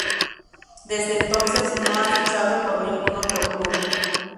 Desde entonces, no ha fichado por ningún otro club.